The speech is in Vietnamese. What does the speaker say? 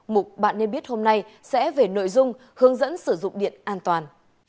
mục bạn nên biết hôm nay sẽ về nội dung hướng dẫn sử dụng điện an toàn